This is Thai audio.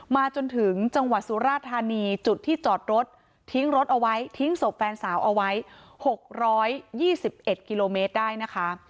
มาจนถึงจังหวัดสุราธานีจุดที่จอดรถทิ้งรถเอาไว้ทิ้งศพแฟนสาวเอาไว้๖๒๑กิโลเมตรได้นะคะ